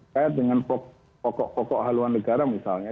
kait dengan pokok pokok haluan negara misalnya